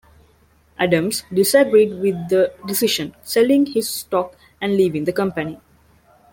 Adams disagreed with the decision, selling his stock and leaving the company.